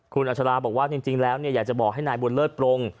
คุณอัชราบอกว่าจริงแล้วอยากจะบอกให้นายบุญเลิศปรง